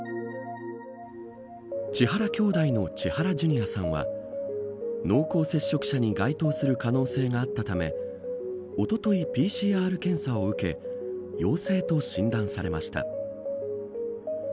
千原兄弟の千原ジュニアさんは濃厚接触者に該当する可能性があったためおととい、ＰＣＲ検査を受け陽性と診断されました。